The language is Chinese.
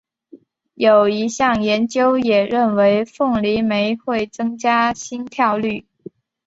有一项研究也认为凤梨酶会增加心跳率。